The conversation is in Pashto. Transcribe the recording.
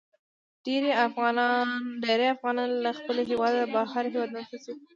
ډیرې افغانان له خپل هیواده بهر هیوادونو ته ځي.